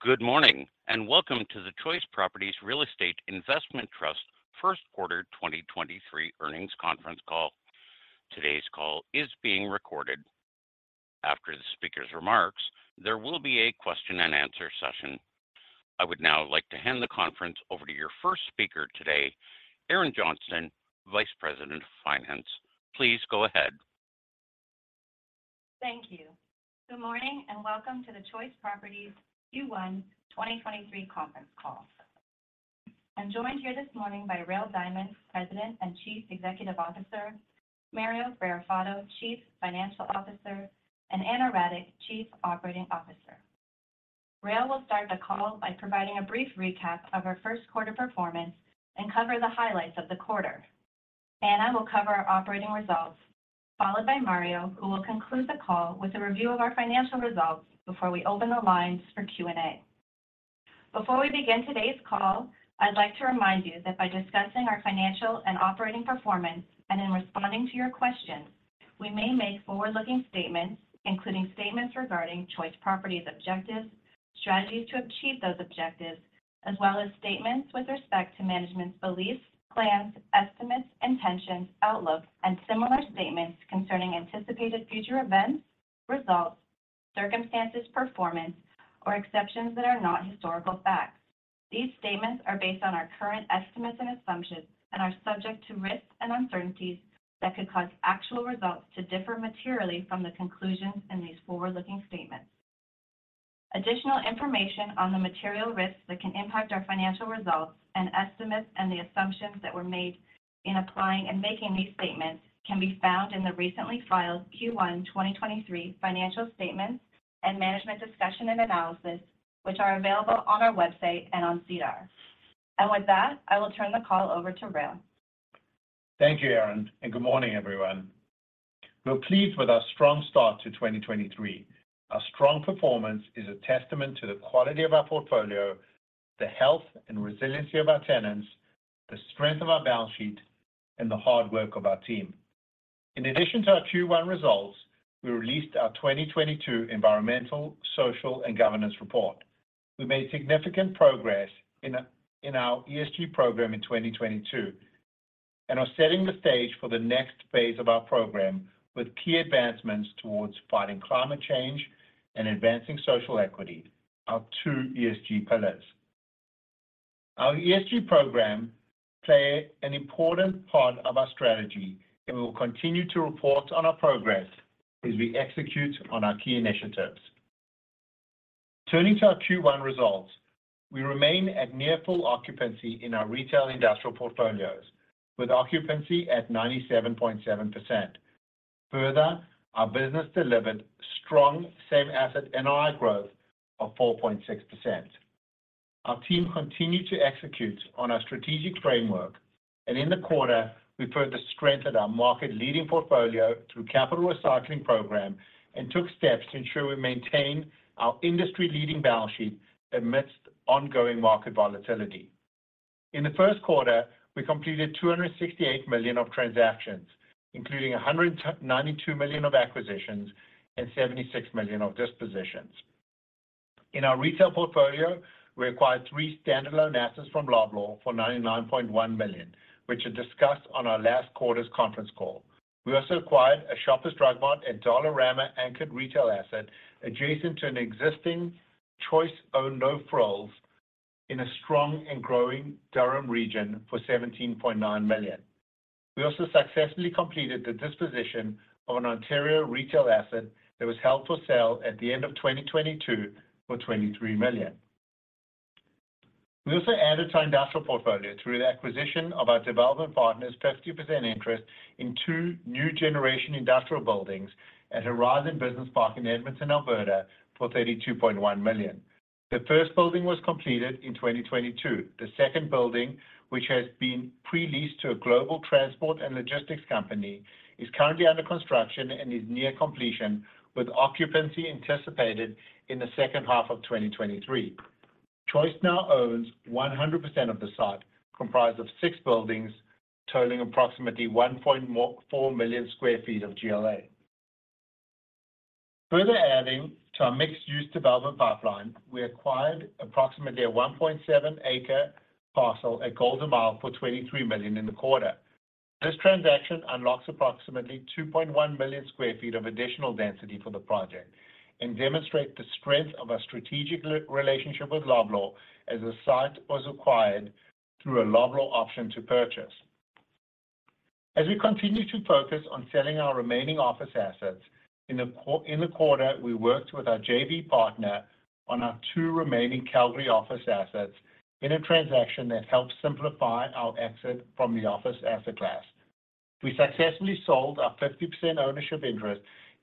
Good morning, welcome to the Choice Properties Real Estate Investment Trust Q1 2023 earnings conference call. Today's call is being recorded. After the speaker's remarks, there will be a question and answer session. I would now like to hand the conference over to your first speaker today, Erin Johnston, Vice President of Finance. Please go ahead. Thank you. Good morning, and welcome to the Choice Properties Q1 2023 conference call. I'm joined here this morning by Rael Diamond, President and Chief Executive Officer, Mario Barrafato, Chief Financial Officer, and Ana Radic, Chief Operating Officer. Rael will start the call by providing a brief recap of our Q1 performance and cover the highlights of the quarter. Ana will cover our operating results, followed by Mario, who will conclude the call with a review of our financial results before we open the lines for Q&A. Before we begin today's call, I'd like to remind you that by discussing our financial and operating performance and in responding to your questions, we may make forward-looking statements, including statements regarding Choice Properties objectives, strategies to achieve those objectives, as well as statements with respect to management's beliefs, plans, estimates, intentions, outlook, and similar statements concerning anticipated future events, results, circumstances, performance, or exceptions that are not historical facts. These statements are based on our current estimates and assumptions and are subject to risks and uncertainties that could cause actual results to differ materially from the conclusions in these forward-looking statements. Additional information on the material risks that can impact our financial results and estimates and the assumptions that were made in applying and making these statements can be found in the recently filed Q1 2023 financial statements and management discussion and analysis, which are available on our website and on SEDAR. With that, I will turn the call over to Rael. Thank you, Erin. Good morning, everyone. We're pleased with our strong start to 2023. Our strong performance is a testament to the quality of our portfolio, the health and resiliency of our tenants, the strength of our balance sheet, and the hard work of our team. In addition to our Q1 results, we released our 2022 Environmental, Social, and Governance report. We made significant progress in our ESG program in 2022 and are setting the stage for the next phase of our program with key advancements towards fighting climate change and advancing social equity, our two ESG pillars. Our ESG program play an important part of our strategy. We will continue to report on our progress as we execute on our key initiatives. Turning to our Q1 results, we remain at near full occupancy in our retail industrial portfolios, with occupancy at 97.7%. Our business delivered strong same asset NOI growth of 4.6%. Our team continued to execute on our strategic framework, in the quarter, we further strengthened our market-leading portfolio through capital recycling program and took steps to ensure we maintain our industry-leading balance sheet amidst ongoing market volatility. In the Q1, we completed 268 million of transactions, including 192 million of acquisitions and 76 million of dispositions. In our retail portfolio, we acquired three stand-alone assets from Loblaw for 99.1 million, which are discussed on our last quarter's conference call. We also acquired a Shoppers Drug Mart at Dollarama anchored retail asset adjacent to an existing Choice-owned No Frills in a strong and growing Durham region for 17.9 million. We also successfully completed the disposition of an Ontario retail asset that was held for sale at the end of 2022 for 23 million. We also added to our industrial portfolio through the acquisition of our development partner's 50% interest in two new generation industrial buildings at Horizon Business Park in Edmonton, Alberta, for 32.1 million. The first building was completed in 2022. The second building, which has been pre-leased to a global transport and logistics company, is currently under construction and is near completion, with occupancy anticipated in the second half of 2023. Choice now owns 100% of the site, comprised of six buildings totaling approximately 1.4 million sq ft of GLA. Further adding to our mixed-use development pipeline, we acquired approximately a 1.7 acre parcel at Golden Mile for 23 million in the quarter. This transaction unlocks approximately 2.1 million sq ft of additional density for the project and demonstrate the strength of our strategic re-relationship with Loblaw as the site was acquired through a Loblaw option to purchase. As we continue to focus on selling our remaining office assets, in the quarter, we worked with our JV partner on our two remaining Calgary office assets in a transaction that helps simplify our exit from the office asset class. We successfully sold our 50% ownership interest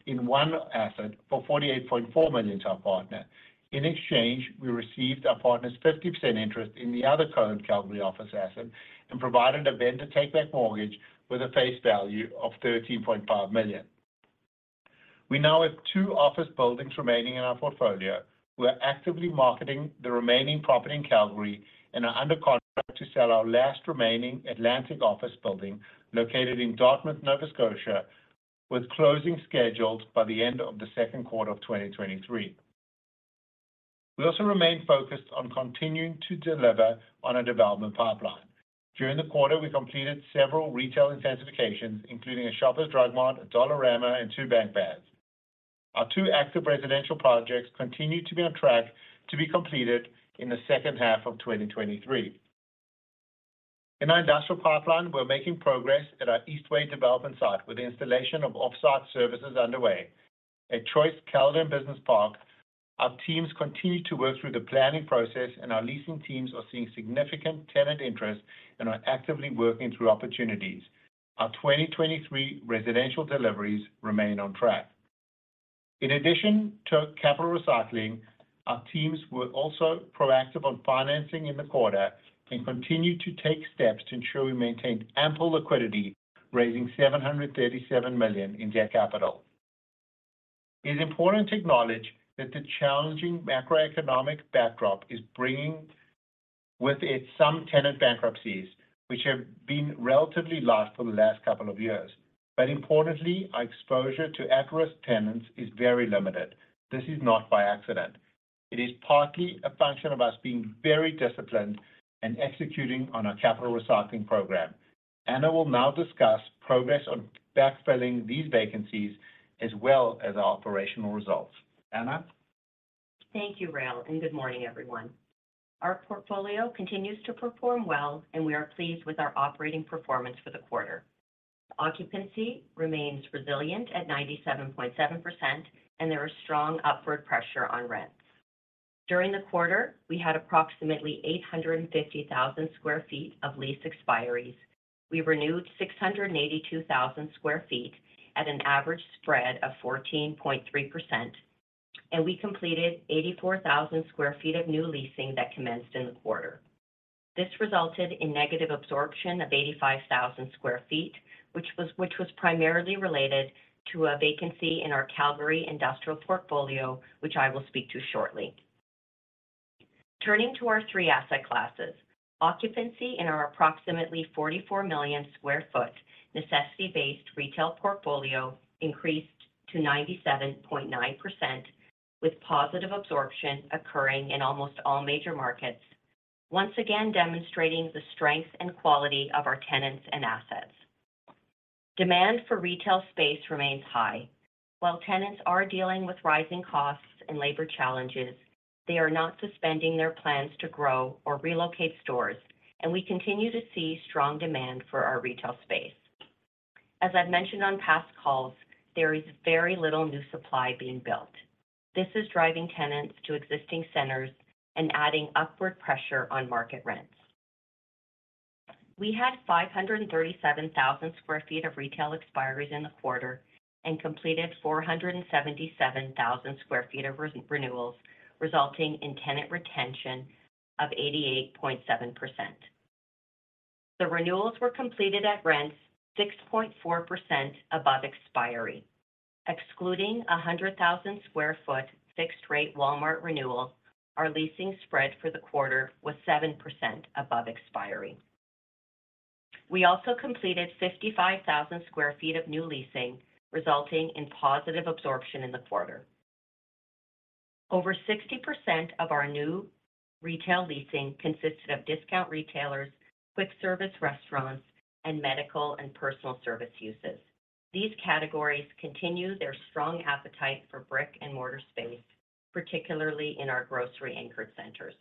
in one asset for 48.4 million to our partner. We received our partner's 50% interest in the other current Calgary office asset and provided a vendor takeback mortgage with a face value of 13.5 million. We now have two office buildings remaining in our portfolio. We're actively marketing the remaining property in Calgary and are under contract to sell our last remaining Atlantic office building located in Dartmouth, Nova Scotia, with closing scheduled by the end of the Q2 of 2023. We also remain focused on continuing to deliver on a development pipeline. During the quarter, we completed several retail intensifications, including a Shoppers Drug Mart, a Dollarama, and two Bed Baths. Our two active residential projects continue to be on track to be completed in the second half of 2023. In our industrial pipeline, we're making progress at our Eastway development site with the installation of off-site services underway. At Choice Caledon Business Park, our teams continue to work through the planning process, our leasing teams are seeing significant tenant interest and are actively working through opportunities. Our 2023 residential deliveries remain on track. In addition to capital recycling, our teams were also proactive on financing in the quarter and continued to take steps to ensure we maintained ample liquidity, raising 737 million in debt capital. It's important to acknowledge that the challenging macroeconomic backdrop is bringing with it some tenant bankruptcies, which have been relatively light for the last couple of years. Importantly, our exposure to at-risk tenants is very limited. This is not by accident. It is partly a function of us being very disciplined and executing on our capital recycling program. Ana will now discuss progress on backfilling these vacancies as well as our operational results. Ana? Thank you, Rael, good morning, everyone. Our portfolio continues to perform well. We are pleased with our operating performance for the quarter. Occupancy remains resilient at 97.7%. There is strong upward pressure on rents. During the quarter, we had approximately 850,000 sq ft of lease expiries. We renewed 682,000 sq ft at an average spread of 14.3%. We completed 84,000 sq ft of new leasing that commenced in the quarter. This resulted in negative absorption of 85,000 sq ft, which was primarily related to a vacancy in our Calgary industrial portfolio, which I will speak to shortly. Turning to our three asset classes, occupancy in our approximately 44 million sq ft necessity-based retail portfolio increased to 97.9%, with positive absorption occurring in almost all major markets, once again demonstrating the strength and quality of our tenants and assets. Demand for retail space remains high. While tenants are dealing with rising costs and labor challenges, they are not suspending their plans to grow or relocate stores, and we continue to see strong demand for our retail space. As I've mentioned on past calls, there is very little new supply being built. This is driving tenants to existing centers and adding upward pressure on market rents. We had 537,000 sq ft of retail expiries in the quarter and completed 477,000 sq ft of re-renewals, resulting in tenant retention of 88.7%. The renewals were completed at rents 6.4% above expiry. Excluding a 100,000 sq ft fixed-rate Walmart renewal, our leasing spread for the quarter was 7% above expiry. We also completed 55,000 sq ft of new leasing, resulting in positive absorption in the quarter. Over 60% of our new retail leasing consisted of discount retailers, quick service restaurants, and medical and personal service uses. These categories continue their strong appetite for brick-and-mortar space, particularly in our grocery anchored centers.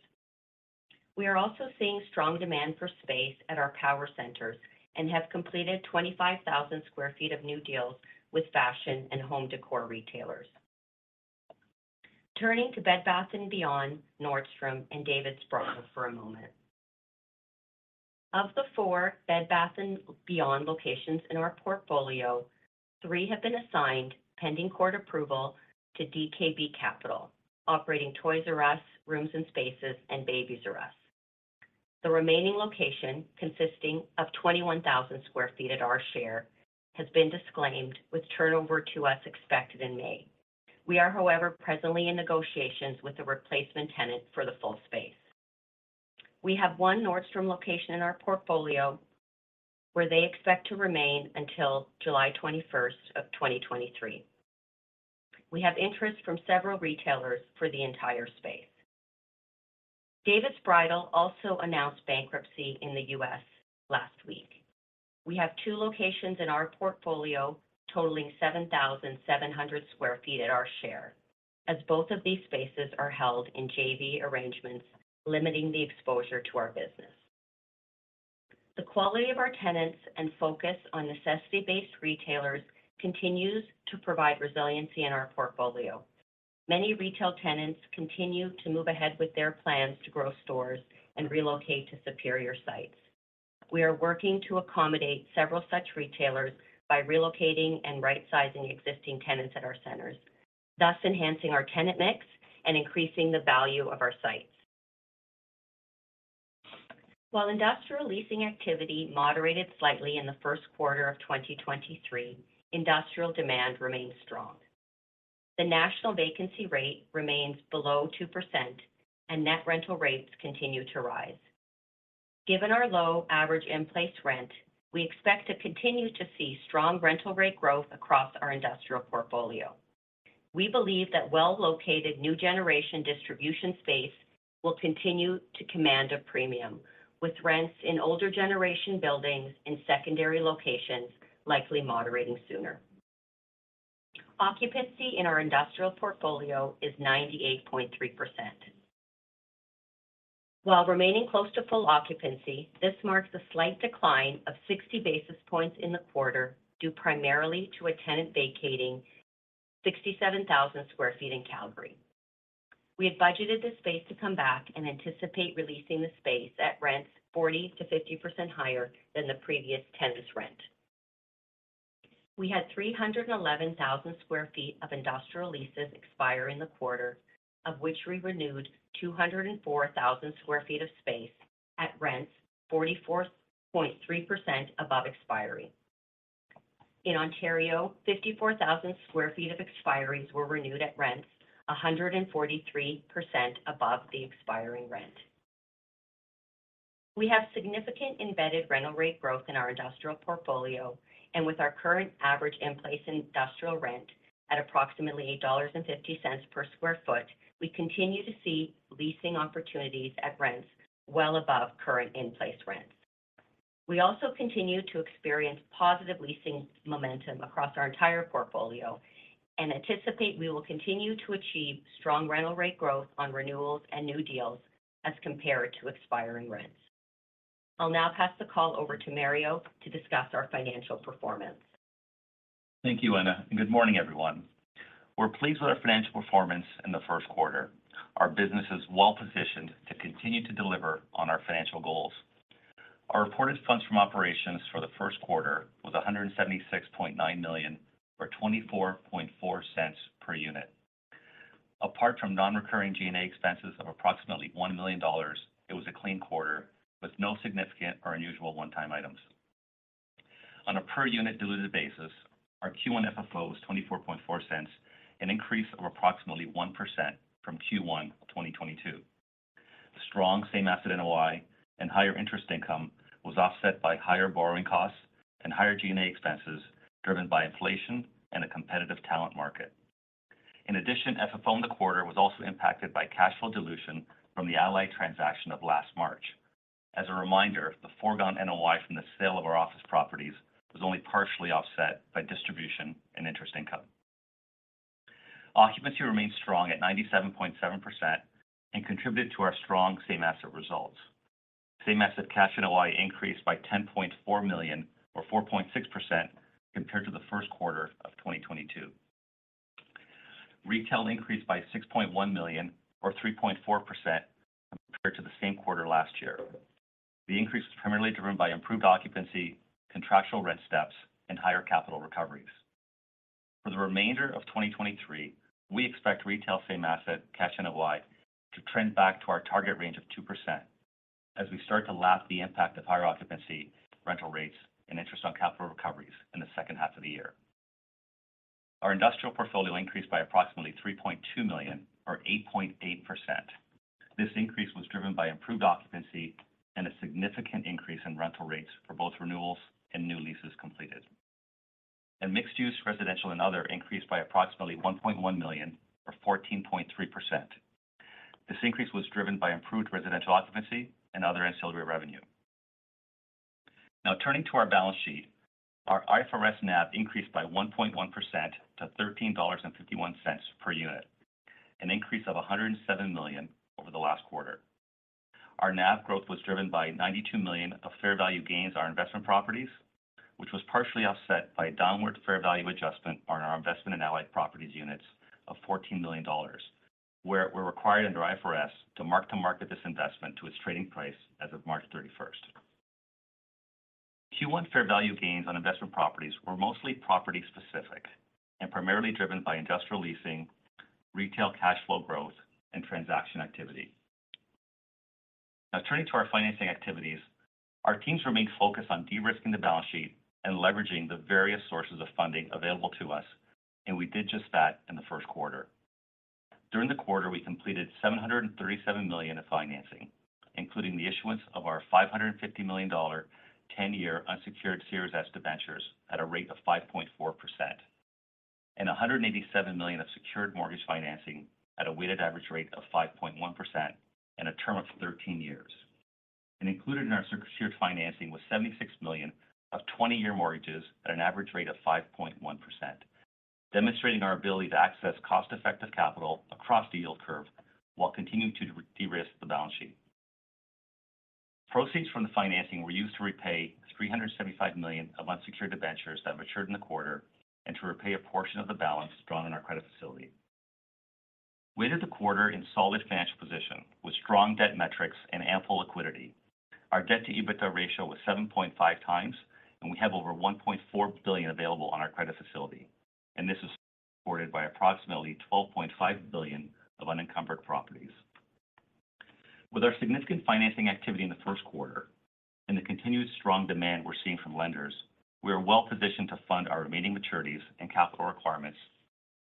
We are also seeing strong demand for space at our power centers and have completed 25,000 sq ft of new deals with fashion and home decor retailers. Turning to Bed Bath & Beyond, Nordstrom, and David's Bridal for a moment. Of the four Bed Bath & Beyond locations in our portfolio, three have been assigned, pending court approval, to DKB Capital, operating Toys R Us, Rooms + Spaces, and Babies R Us. The remaining location, consisting of 21,000 sq ft at our share, has been disclaimed with turnover to us expected in May. We are, however, presently in negotiations with a replacement tenant for the full space. We have one Nordstrom location in our portfolio where they expect to remain until July 21st, 2023. We have interest from several retailers for the entire space. David's Bridal also announced bankruptcy in the U.S. last week. We have two locations in our portfolio totaling 7,700 sq ft at our share, as both of these spaces are held in JV arrangements, limiting the exposure to our business. The quality of our tenants and focus on necessity-based retailers continues to provide resiliency in our portfolio. Many retail tenants continue to move ahead with their plans to grow stores and relocate to superior sites. We are working to accommodate several such retailers by relocating and rightsizing existing tenants at our centers, thus enhancing our tenant mix and increasing the value of our sites. While industrial leasing activity moderated slightly in the Q1 of 2023, industrial demand remained strong. The national vacancy rate remains below 2% and net rental rates continue to rise. Given our low average in-place rent, we expect to continue to see strong rental rate growth across our industrial portfolio. We believe that well-located new generation distribution space will continue to command a premium, with rents in older generation buildings in secondary locations likely moderating sooner. Occupancy in our industrial portfolio is 98.3%. While remaining close to full occupancy, this marks a slight decline of 60 basis points in the quarter due primarily to a tenant vacating 67,000 sq ft in Calgary. We had budgeted the space to come back and anticipate releasing the space at rents 40%-50% higher than the previous tenant's rent. We had 311,000 sq ft of industrial leases expire in the quarter, of which we renewed 204,000 sq ft of space at rents 44.3% above expiry. In Ontario, 54,000 sq ft of expiries were renewed at rents 143% above the expiring rent. We have significant embedded rental rate growth in our industrial portfolio, and with our current average in-place industrial rent at approximately 8.50 dollars per sq ft, we continue to see leasing opportunities at rents well above current in-place rents. We also continue to experience positive leasing momentum across our entire portfolio and anticipate we will continue to achieve strong rental rate growth on renewals and new deals as compared to expiring rents. I'll now pass the call over to Mario to discuss our financial performance. Thank you, Ana. Good morning, everyone. We're pleased with our financial performance in the Q1. Our business is well-positioned to continue to deliver on our financial goals. Our reported FFO for the Q1 was 176.9 million or 24.04 per unit. Apart from non-recurring G&A expenses of approximately 1 million dollars, it was a clean quarter with no significant or unusual one-time items. On a per unit diluted basis, our Q1 FFO was 24.04, an increase of approximately 1% from Q1 of 2022. The strong same asset NOI and higher interest income was offset by higher borrowing costs and higher G&A expenses driven by inflation and a competitive talent market. In addition, FFO in the quarter was also impacted by cash flow dilution from the Allied transaction of last March. As a reminder, the foregone NOI from the sale of our office properties was only partially offset by distribution and interest income. Occupancy remains strong at 97.7% and contributed to our strong same asset results. Same asset cash NOI increased by 10.4 million or 4.6% compared to the Q1 of 2022. Retail increased by 6.1 million or 3.4% compared to the same quarter last year. The increase was primarily driven by improved occupancy, contractual rent steps, and higher capital recoveries. For the remainder of 2023, we expect retail same asset cash NOI to trend back to our target range of 2% as we start to lap the impact of higher occupancy, rental rates, and interest on capital recoveries in the second half of the year. Our industrial portfolio increased by approximately 3.2 million or 8.8%. This increase was driven by improved occupancy and a significant increase in rental rates for both renewals and new leases completed. A mixed-use residential and other increased by approximately 1.1 million or 14.3%. This increase was driven by improved residential occupancy and other ancillary revenue. Turning to our balance sheet, our IFRS NAV increased by 1.1% to 13.51 dollars per unit, an increase of 107 million over the last quarter. Our NAV growth was driven by 92 million of fair value gains on investment properties, which was partially offset by a downward fair value adjustment on our investment in Allied Properties units of 14 million dollars, where we're required under IFRS to mark-to-market this investment to its trading price as of March 31st. Q1 fair value gains on investment properties were mostly property-specific and primarily driven by industrial leasing, retail cash flow growth, and transaction activity. Turning to our financing activities, our teams remain focused on de-risking the balance sheet and leveraging the various sources of funding available to us, and we did just that in the Q1. During the quarter, we completed 737 million of financing, including the issuance of our 550 million dollar 10-year unsecured Series S debentures at a rate of 5.4% and 187 million of secured mortgage financing at a weighted average rate of 5.1% and a term of 13 years. Included in our secured financing was 76 million of 20-year mortgages at an average rate of 5.1%, demonstrating our ability to access cost-effective capital across the yield curve while continuing to de-risk the balance sheet. Proceeds from the financing were used to repay 375 million of unsecured debentures that matured in the quarter and to repay a portion of the balance drawn in our credit facility. We entered the quarter in solid financial position with strong debt metrics and ample liquidity. Our debt-to-EBITDA ratio was 7.5x. We have over 1.4 billion available on our credit facility. This is supported by approximately 12.5 billion of unencumbered properties. With our significant financing activity in the Q1 and the continued strong demand we're seeing from lenders, we are well-positioned to fund our remaining maturities and capital requirements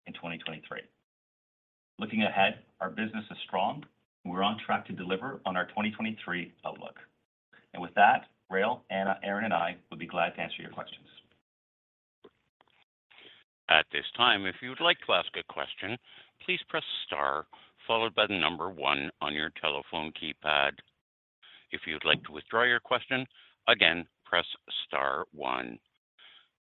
in 2023. Looking ahead, our business is strong. We're on track to deliver on our 2023 outlook. With that, Rael, Ana, Erin, and I would be glad to answer your questions. At this time, if you would like to ask a question, please press star followed by the number one on your telephone keypad. If you'd like to withdraw your question, again, press star one.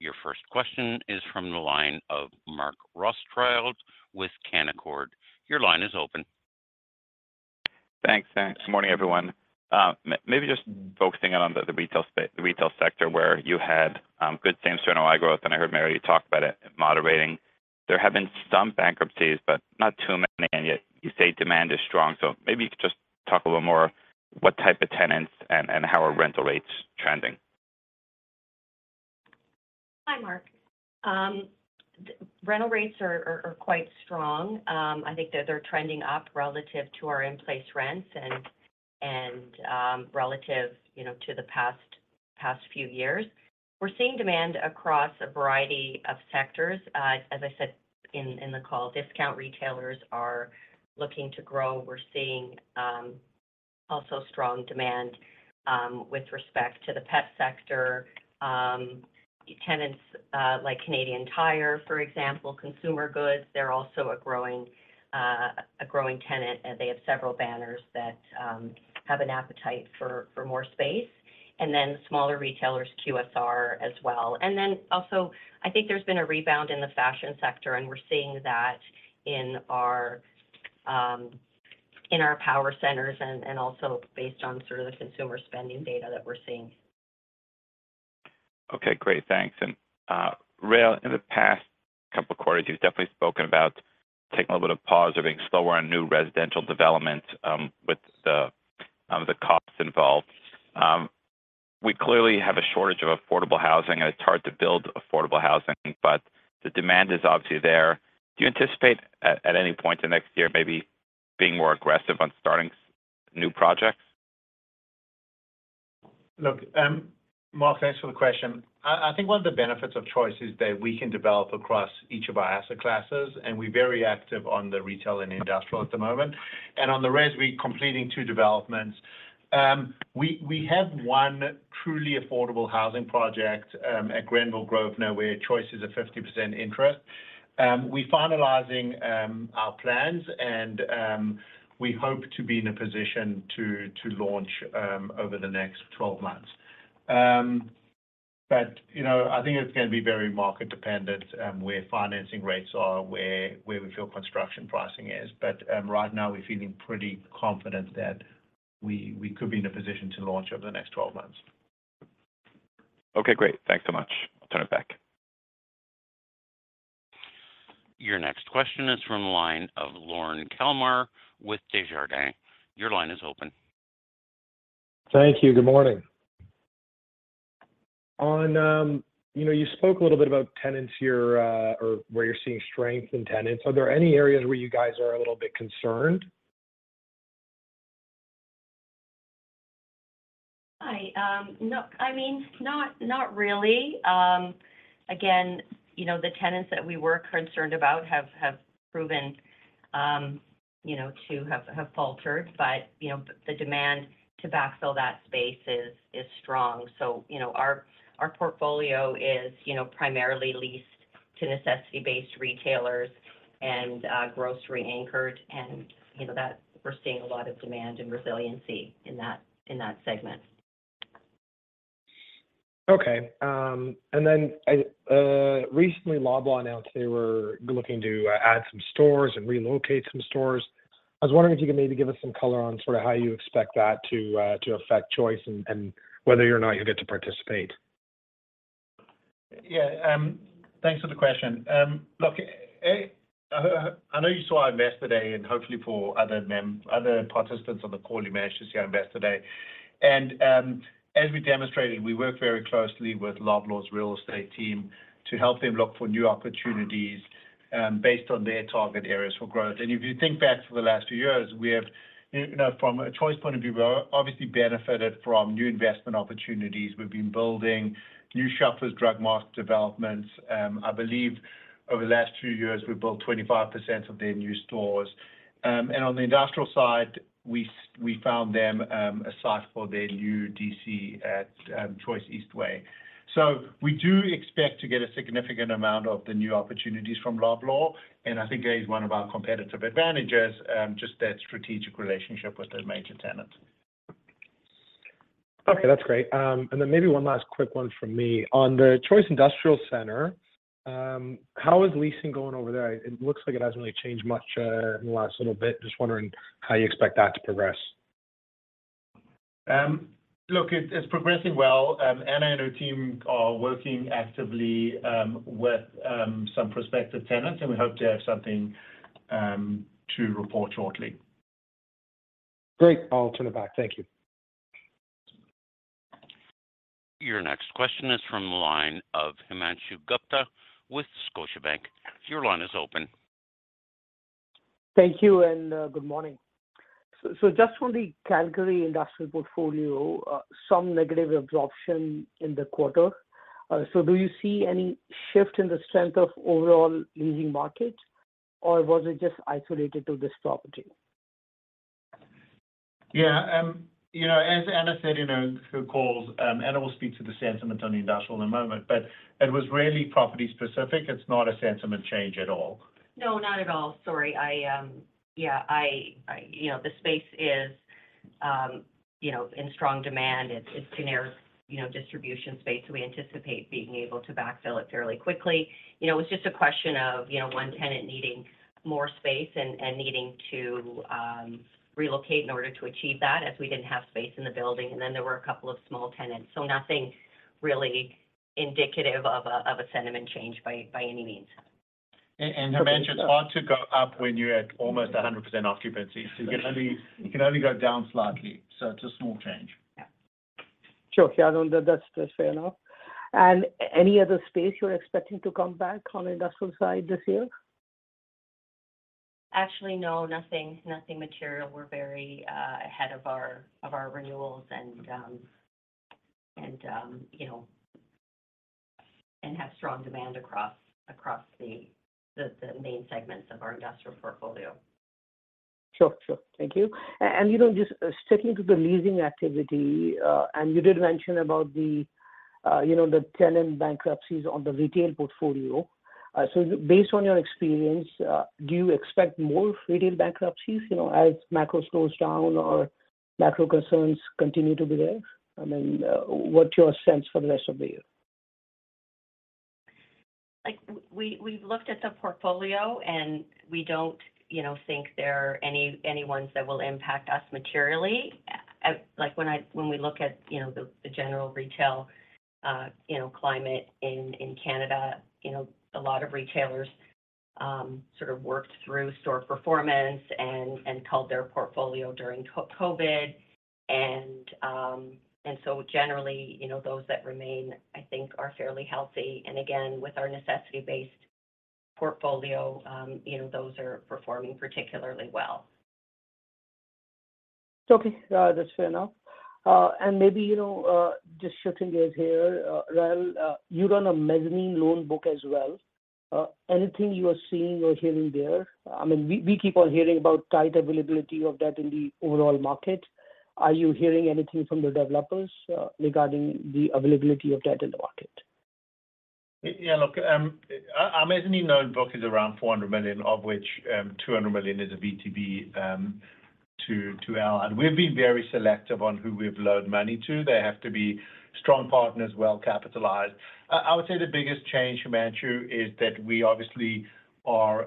Your first question is from the line of Mark Rothschild with Canaccord. Your line is open. Thanks. Good morning, everyone. Maybe just focusing on the retail sector where you had good same-store NOI growth, and I heard Mario talk about it moderating. There have been some bankruptcies, but not too many, and yet you say demand is strong. Maybe you could just talk a little more what type of tenants and how are rental rates trending? Hi, Mark. Rental rates are quite strong. I think that they're trending up relative to our in-place rents and, relative, you know, to the past few years. We're seeing demand across a variety of sectors. As I said in the call, discount retailers are looking to grow. We're seeing also strong demand with respect to the pet sector. Tenants, like Canadian Tire, for example, consumer goods, they're also a growing tenant, and they have several banners that have an appetite for more space. Smaller retailers, QSR as well. Also I think there's been a rebound in the fashion sector, and we're seeing that in our power centers and also based on sort of the consumer spending data that we're seeing. Okay, great. Thanks. Rael, in the past couple of quarters, you've definitely spoken about taking a little bit of pause or being slower on new residential developments, with the costs involved. We clearly have a shortage of affordable housing, and it's hard to build affordable housing, but the demand is obviously there. Do you anticipate at any point in next year maybe being more aggressive on starting new projects? Look, Mark, thanks for the question. I think one of the benefits of Choice is that we can develop across each of our asset classes, and we're very active on the retail and industrial at the moment. On the res, we're completing two developments. We have one truly affordable housing project at Granville Grove now, where Choice is a 50% interest. We're finalizing our plans, and we hope to be in a position to launch over the next 12 months. You know, I think it's gonna be very market dependent, where financing rates are, where we feel construction pricing is. Right now we're feeling pretty confident that we could be in a position to launch over the next 12 months. Okay, great. Thanks so much. I'll turn it back. Your next question is from the line of Lorne Kalmar with Desjardins. Your line is open. Thank you. Good morning. You know, you spoke a little bit about tenants you're, or where you're seeing strength in tenants. Are there any areas where you guys are a little bit concerned? Hi. I mean, not really. Again, you know, the tenants that we were concerned about have proven, you know, to have faltered. You know, the demand to backfill that space is strong. You know, our portfolio is, you know, primarily leased to necessity-based retailers and grocery anchored and, you know, that we're seeing a lot of demand and resiliency in that segment. Okay. Recently, Loblaw announced they were looking to add some stores and relocate some stores. I was wondering if you could maybe give us some color on sort of how you expect that to affect Choice and whether or not you'll get to participate? Yeah, thanks for the question. Look, I know you saw our Investor Day, hopefully for other participants on the call, you managed to see our Investor Day. As we demonstrated, we work very closely with Loblaw's real estate team to help them look for new opportunities, based on their target areas for growth. If you think back for the last two years, we have, you know, from a Choice point of view, we obviously benefited from new investment opportunities. We've been building new Shoppers Drug Mart developments. I believe over the last two years, we've built 25% of their new stores. On the industrial side, we found them a site for their new DC at Choice Eastway. We do expect to get a significant amount of the new opportunities from Loblaw, and I think that is one of our competitive advantages, just that strategic relationship with a major tenant. Okay, that's great. Maybe one last quick one from me. On the Choice Industrial Centre, how is leasing going over there? It looks like it hasn't really changed much in the last little bit. Just wondering how you expect that to progress. Look, it's progressing well. Ana and her team are working actively, with some prospective tenants, and we hope to have something to report shortly. Great. I'll turn it back. Thank you. Your next question is from the line of Himanshu Gupta with Scotiabank. Your line is open. Thank you and good morning. Just from the Calgary industrial portfolio, some negative absorption in the quarter. Do you see any shift in the strength of overall leasing market, or was it just isolated to this property? Yeah, you know, as Ana said in her calls, Ana will speak to the sentiment on industrial in a moment, but it was really property specific. It's not a sentiment change at all. No, not at all. Sorry. I, yeah, you know, the space is, you know, in strong demand. It's generic, you know, distribution space, so we anticipate being able to backfill it fairly quickly. You know, it was just a question of, you know, one tenant needing more space and needing to relocate in order to achieve that as we didn't have space in the building. Then there were a couple of small tenants. Nothing really indicative of a sentiment change by any means. Himanshu, it's hard to go up when you're at almost a 100% occupancy. You can only go down slightly. It's a small change. Yeah. Sure. Yeah. No, that's fair enough. Any other space you're expecting to come back on industrial side this year? Actually, no, nothing material. We're very ahead of our renewals and, you know, have strong demand across the main segments of our industrial portfolio. Sure. Sure. Thank you. You know, just sticking to the leasing activity, and you did mention about the, you know, the tenant bankruptcies on the retail portfolio. Based on your experience, do you expect more retail bankruptcies, you know, as macro slows down or macro concerns continue to be there? I mean, what's your sense for the rest of the year? Like, we've looked at the portfolio, and we don't, you know, think there are any ones that will impact us materially. Like when we look at, you know, the general retail, you know, climate in Canada, you know, a lot of retailers sort of worked through store performance and culled their portfolio during COVID. Generally, you know, those that remain, I think, are fairly healthy. Again, with our necessity-based portfolio, you know, those are performing particularly well. Okay. That's fair enough. Maybe, you know, just shifting gears here, Rael, you run a mezzanine loan book as well. Anything you are seeing or hearing there? I mean, we keep on hearing about tight availability of debt in the overall market. Are you hearing anything from the developers, regarding the availability of debt in the market? Yeah, look, our mezzanine loan book is around 400 million, of which, 200 million is a VTB. We've been very selective on who we've loaned money to. They have to be strong partners, well capitalized. I would say the biggest change, Himanshu, is that we obviously are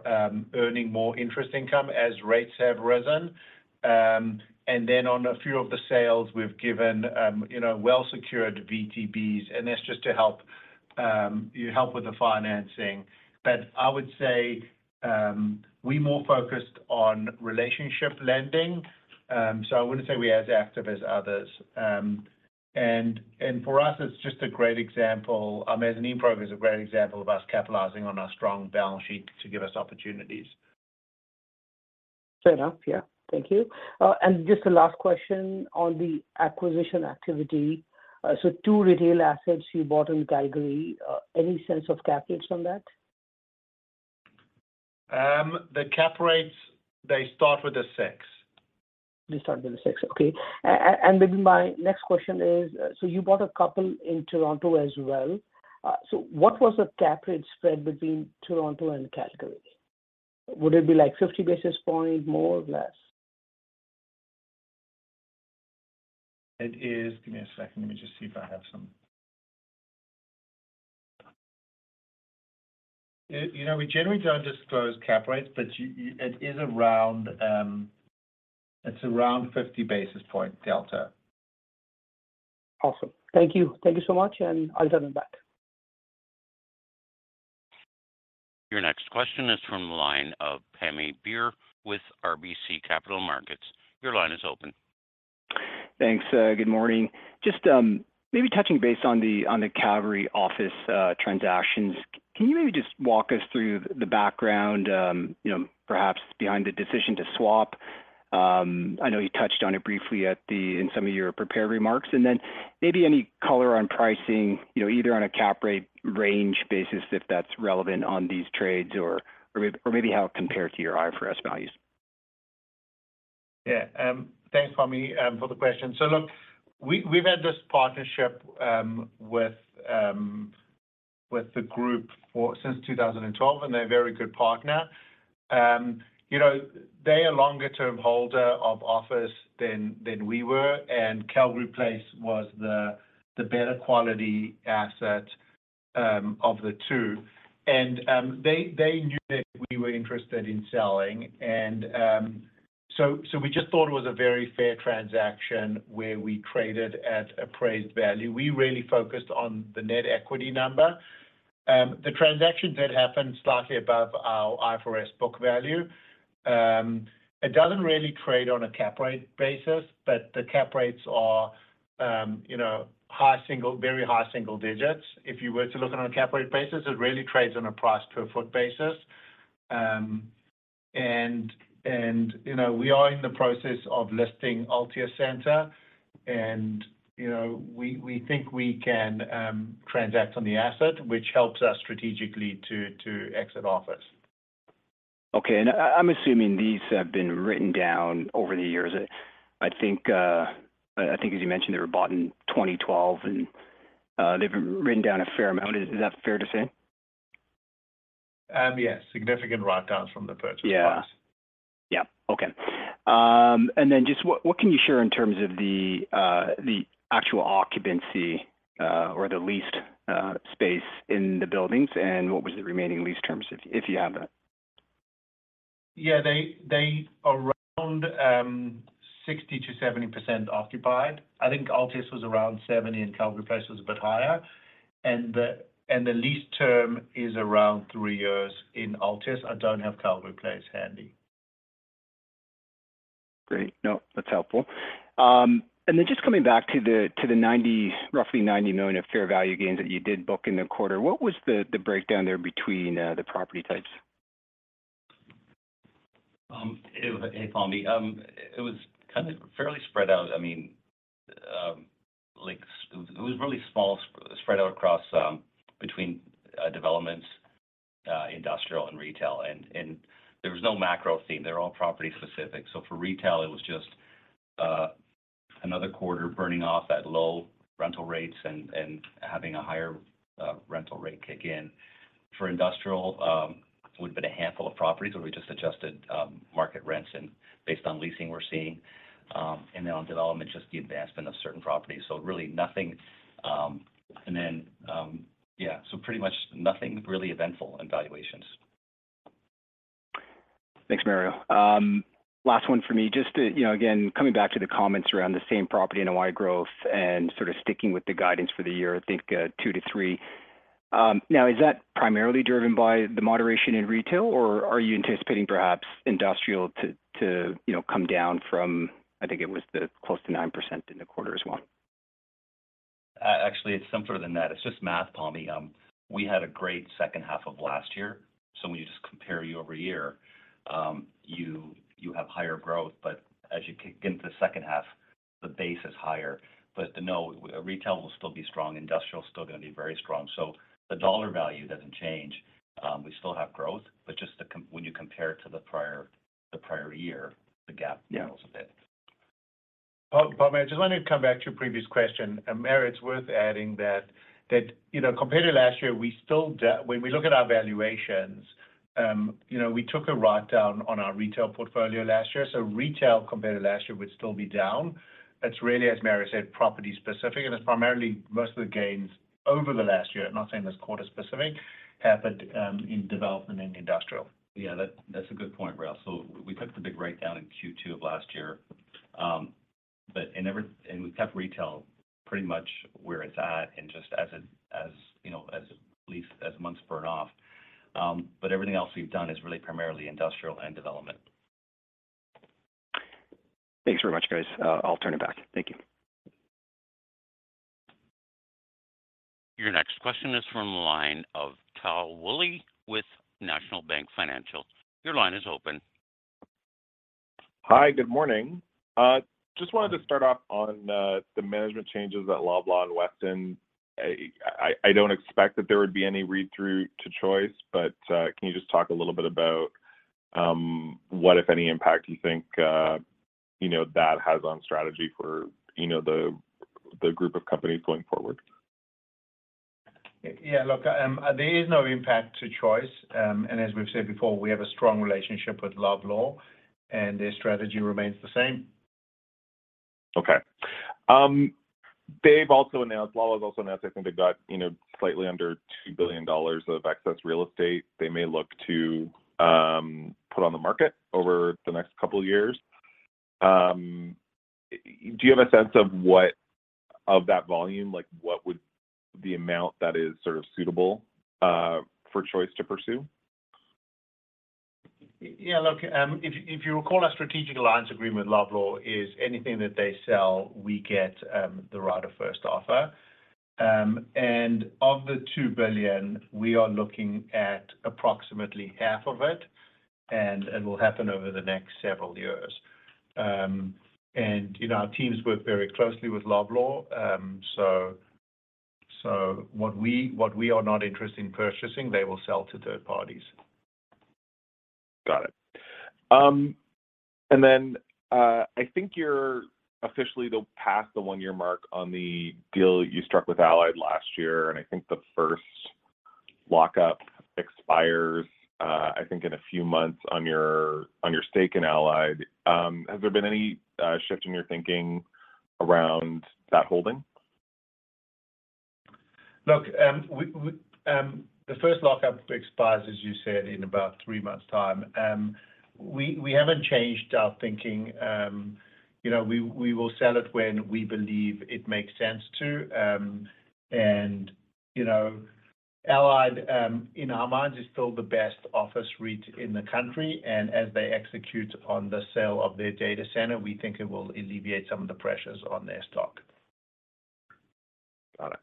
earning more interest income as rates have risen. Then on a few of the sales, we've given, you know, well-secured VTBs, and that's just to help, help with the financing. I would say we're more focused on relationship lending, so I wouldn't say we're as active as others. For us, it's just a great example. Our mezzanine program is a great example of us capitalizing on our strong balance sheet to give us opportunities. Fair enough. Yeah. Thank you. Just a last question on the acquisition activity. Two retail assets you bought in Calgary. Any sense of cap rates on that? The cap rates, they start with a 6%. They start with a 6%. Okay. Maybe my next question is, you bought a couple in Toronto as well. What was the cap rate spread between Toronto and Calgary? Would it be like 50 basis point more or less? Give me a second. Let me just see if I have some. You know, we generally don't disclose cap rates, but it is around, it's around 50 basis point delta. Awesome. Thank you. Thank you so much. I'll turn it back. Your next question is from the line of Pammi Bir with RBC Capital Markets. Your line is open. Thanks. Good morning. Just maybe touching base on the Calgary office transactions. Can you maybe just walk us through the background, you know, perhaps behind the decision to swap? I know you touched on it briefly in some of your prepared remarks. Maybe any color on pricing, you know, either on a cap rate range basis, if that's relevant on these trades or maybe how it compared to your IFRS values. Thanks, Pammi, for the question. Look, we've had this partnership with the group since 2012, they're a very good partner. You know, they're a longer-term holder of office than we were, Calgary Place was the better quality asset of the two. They knew that we were interested in selling and so we just thought it was a very fair transaction where we traded at appraised value. We really focused on the net equity number. The transactions happened slightly above our IFRS book value. It doesn't really trade on a cap rate basis, the cap rates are, you know, very high single digits. If you were to look on a cap rate basis, it really trades on a price per foot basis. You know, we are in the process of listing Altus Centre and, you know, we think we can transact on the asset, which helps us strategically to exit office. Okay. I'm assuming these have been written down over the years. I think as you mentioned, they were bought in 2012 and they've been written down a fair amount. Is that fair to say? Yes. Significant write-downs from the purchase price. Yeah. Yeah. Okay. Then just what can you share in terms of the actual occupancy, or the leased space in the buildings and what was the remaining lease terms if you have that? Yeah, they are around 60%-70% occupied. I think Altus was around 70%, and Calgary Place was a bit higher. The lease term is around three years in Altus. I don't have Calgary Place handy. Great. No, that's helpful. Just coming back to the roughly 90 million of fair value gains that you did book in the quarter, what was the breakdown there between the property types? Hey, Pammi. It was kind of fairly spread out. I mean, like it was really small, spread out across between developments, industrial and retail and there was no macro theme. They're all property specific. For retail, it was just another quarter burning off at low rental rates and having a higher rental rate kick in. For industrial, would've been a handful of properties where we just adjusted market rents and based on leasing we're seeing, and then on development, just the advancement of certain properties, really nothing. Yeah, pretty much nothing really eventful in valuations. Thanks, Mario. Last one for me, just to, you know, again, coming back to the comments around the same property NOI growth and sort of sticking with the guidance for the year, I think, 2%-3%. Is that primarily driven by the moderation in retail, or are you anticipating perhaps industrial to, you know, come down from, I think it was the close to 9% in the quarter as well? Actually, it's simpler than that. It's just math, Pammi. We had a great second half of last year, so when you just compare year-over-year, you have higher growth. As you kick into the second half, the base is higher. No, retail will still be strong. Industrial is still gonna be very strong. The dollar value doesn't change. We still have growth, but just when you compare it to the prior, the prior year, the gap narrows a bit. Yeah. Pammi, I just wanted to come back to your previous question. Mario, it's worth adding that, you know, compared to last year, we still when we look at our valuations, you know, we took a write-down on our retail portfolio last year. Retail compared to last year would still be down. It's really, as Mario said, property specific, and it's primarily most of the gains over the last year, I'm not saying this quarter specific, happened in development and industrial. Yeah, that's a good point, Rael. We took the big write-down in Q2 of last year. We've kept retail pretty much where it's at and just as a, as, you know, as months burn off. Everything else we've done is really primarily industrial and development. Thanks very much, guys. I'll turn it back. Thank you. Your next question is from the line of Tal Woolley with National Bank Financial. Your line is open. Hi. Good morning. Just wanted to start off on the management changes at Loblaw and Weston. I don't expect that there would be any read-through to Choice, but can you just talk a little bit about what, if any, impact you think, you know, that has on strategy for, you know, the group of companies going forward? Yeah, look, there is no impact to Choice. As we've said before, we have a strong relationship with Loblaw, and their strategy remains the same. Okay. They’ve also announced, I think they've got, you know, slightly under 2 billion dollars of excess real estate they may look to put on the market over the next couple of years. Do you have a sense of what, of that volume, like what would the amount that is sort of suitable for Choice to pursue? Yeah, look, if you recall our strategic alliance agreement with Loblaw is anything that they sell, we get the right of first offer. Of the 2 billion, we are looking at approximately half of it, and it will happen over the next several years. You know, our teams work very closely with Loblaw. So what we are not interested in purchasing, they will sell to third parties. Got it. I think you're officially past the one-year mark on the deal you struck with Allied last year, I think the first lockup expires, I think in a few months on your stake in Allied. Has there been any shift in your thinking around that holding? Look, we, the first lockup expires, as you said, in about three months' time. We haven't changed our thinking. You know, we will sell it when we believe it makes sense to. You know, Allied, in our minds is still the best office REIT in the country, as they execute on the sale of their data center, we think it will alleviate some of the pressures on their stock. Got it.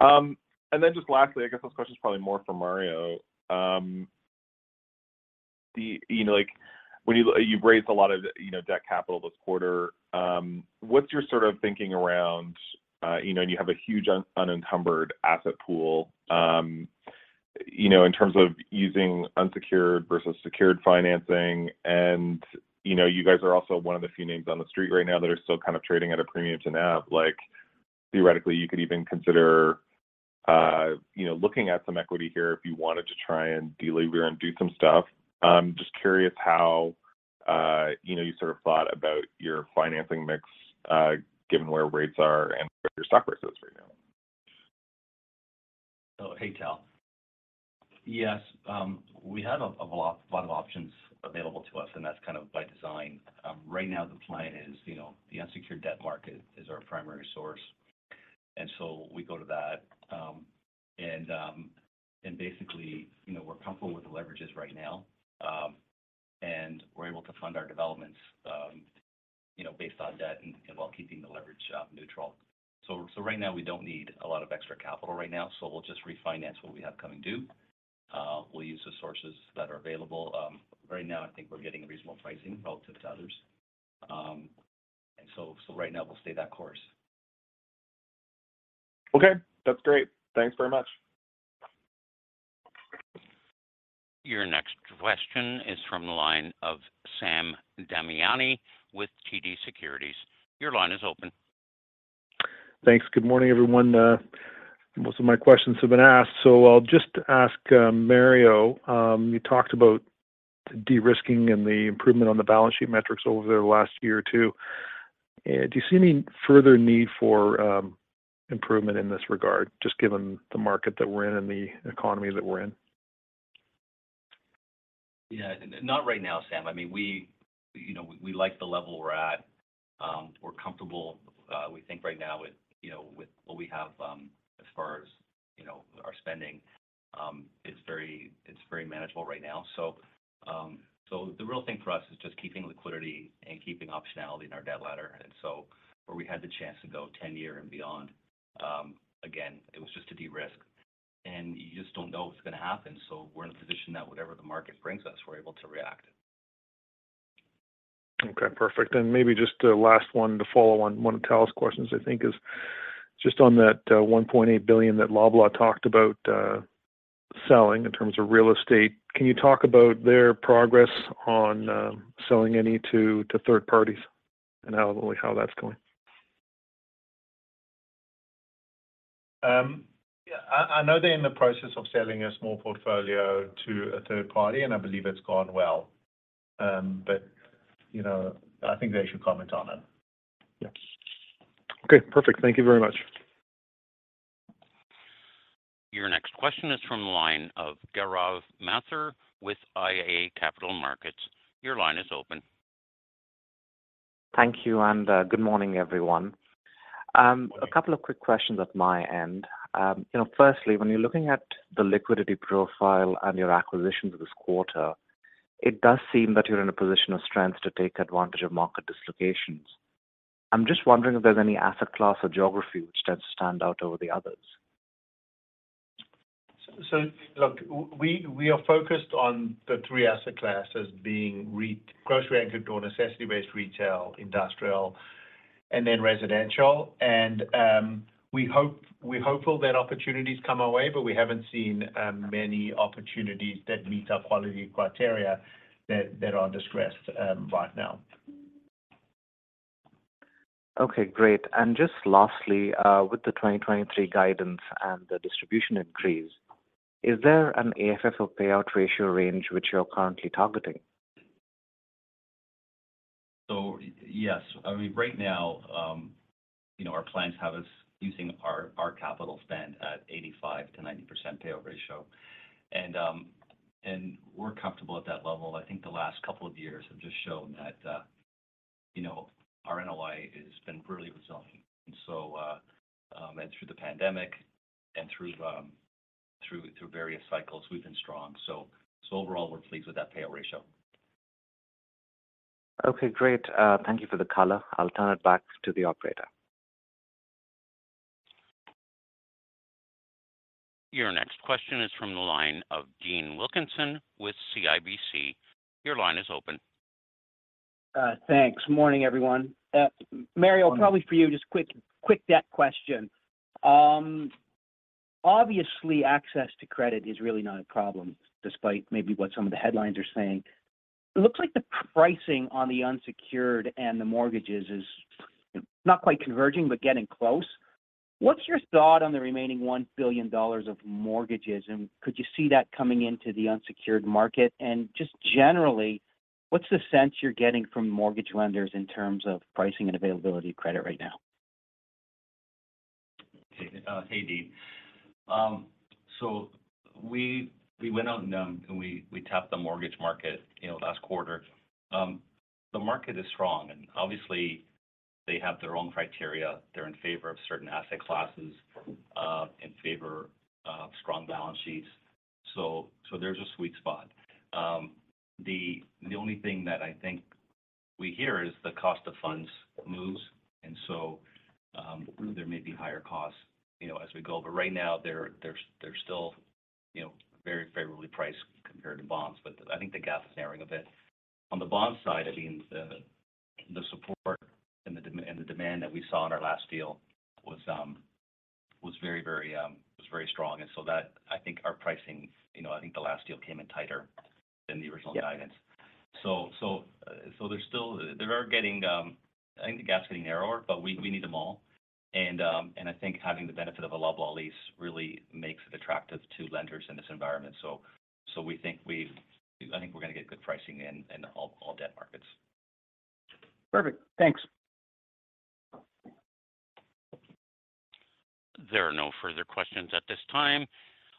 Then just lastly, I guess this question is probably more for Mario. You know, like when you've raised a lot of, you know, debt capital this quarter. What's your sort of thinking around, you know, you have a huge unencumbered asset pool, you know, in terms of using unsecured versus secured financing and, you know, you guys are also one of the few names on the street right now that are still kind of trading at a premium to NAV. Like, theoretically, you could even consider, you know, looking at some equity here if you wanted to try and delever and do some stuff. I'm just curious how, you know, you sort of thought about your financing mix, given where rates are and where your stock price is right now. Oh, hey, Tal. Yes, we have a lot of options available to us, and that's kind of by design. Right now the plan is, you know, the unsecured debt market is our primary source, and so we go to that. Basically, you know, we're comfortable with the leverages right now, and we're able to fund our developments, you know, based on debt and while keeping the leverage neutral. Right now we don't need a lot of extra capital right now, so we'll just refinance what we have coming due. We'll use the sources that are available. Right now I think we're getting reasonable pricing relative to others. Right now we'll stay that course. Okay, that's great. Thanks very much. Your next question is from the line of Sam Damiani with TD Securities. Your line is open. Thanks. Good morning, everyone. Most of my questions have been asked, so I'll just ask Mario, you talked about de-risking and the improvement on the balance sheet metrics over the last year or two. Do you see any further need for improvement in this regard, just given the market that we're in and the economy that we're in? Yeah. Not right now, Sam. I mean, we, you know, we like the level we're at. We're comfortable, we think right now with, you know, with what we have, as far as, you know, our spending. It's very manageable right now. The real thing for us is just keeping liquidity and keeping optionality in our debt ladder. where we had the chance to go 10-year and beyond, again, it was just to de-risk. You just don't know what's gonna happen, so we're in a position that whatever the market brings us, we're able to react. Okay, perfect. Maybe just a last one to follow on one of Tal's questions, I think, is just on that 1.8 billion that Loblaw talked about selling in terms of real estate. Can you talk about their progress on selling any to third parties and how that's going? Yeah. I know they're in the process of selling a small portfolio to a third party, and I believe it's gone well. You know, I think they should comment on it. Yeah. Okay, perfect. Thank you very much. Your next question is from the line of Gaurav Mathur with iA Capital Markets. Your line is open. Thank you, good morning, everyone. A couple of quick questions at my end. You know, firstly, when you're looking at the liquidity profile and your acquisitions this quarter, it does seem that you're in a position of strength to take advantage of market dislocations. I'm just wondering if there's any asset class or geography which does stand out over the others? Look, we are focused on the three asset classes being grocery anchored or necessity-based retail, industrial, then residential. We hope, we're hopeful that opportunities come our way, but we haven't seen many opportunities that meet our quality criteria that are distressed right now. Okay, great. Just lastly, with the 2023 guidance and the distribution increase, is there an AFFO payout ratio range which you're currently targeting? Yes. I mean, right now, you know, our plans have us using our capital spend at 85%-90% payout ratio. We're comfortable at that level. I think the last couple of years have just shown that, you know, our NOI has been really resilient. Through the pandemic and through various cycles, we've been strong. Overall, we're pleased with that payout ratio. Okay, great. Thank you for the color. I'll turn it back to the operator. Your next question is from the line of Dean Wilkinson with CIBC. Your line is open. Thanks. Morning, everyone. Mario, probably for you, just quick debt question. Obviously, access to credit is really not a problem, despite maybe what some of the headlines are saying. It looks like the pricing on the unsecured and the mortgages is not quite converging, but getting close. What's your thought on the remaining 1 billion dollars of mortgages, and could you see that coming into the unsecured market? Just generally, what's the sense you're getting from mortgage lenders in terms of pricing and availability of credit right now? Okay. Hey, Dean. We went out and we tapped the mortgage market, you know, last quarter. The market is strong, and obviously they have their own criteria. They're in favor of certain asset classes, in favor of strong balance sheets. There's a sweet spot. The only thing that I think we hear is the cost of funds moves. There may be higher costs, you know, as we go, but right now they're still, you know, very favorably priced compared to bonds. I think the gap is narrowing a bit. On the bond side, I mean, the support and the demand that we saw in our last deal was very, very strong. I think our pricing, you know, I think the last deal came in tighter than the original guidance. There's still. They are getting, I think the gap's getting narrower, but we need them all. I think having the benefit of a Loblaw lease really makes it attractive to lenders in this environment. We think I think we're gonna get good pricing in all debt markets. Perfect. Thanks. There are no further questions at this time.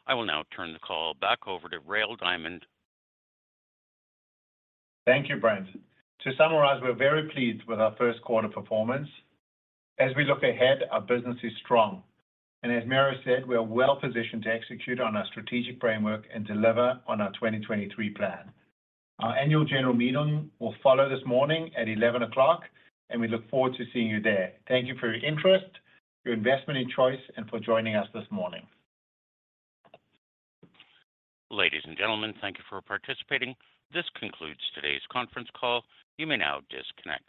I will now turn the call back over to Rael Diamond. Thank you, Brent. To summarize, we're very pleased with our Q1 performance. As we look ahead, our business is strong. As Mario said, we are well positioned to execute on our strategic framework and deliver on our 2023 plan. Our annual general meeting will follow this morning at 11:00 A.M. We look forward to seeing you there. Thank you for your interest, your investment in Choice, and for joining us this morning. Ladies and gentlemen, thank you for participating. This concludes today's conference call. You may now disconnect.